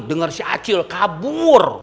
denger si acil kabur